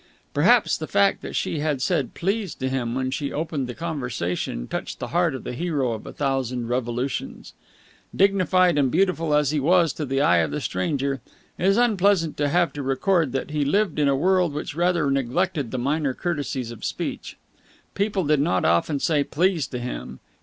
Perhaps the fact that she had said "please" to him when she opened the conversation touched the heart of the hero of a thousand revolutions. Dignified and beautiful as he was to the eye of the stranger, it is unpleasant to have to record that he lived in a world which rather neglected the minor courtesies of speech. People did not often say "please" to him.